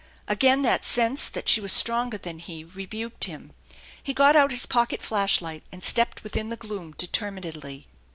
Again that sense that she was stronger than he rebuked him. He got out his pocket flash light and stepped within the gloom determinedly.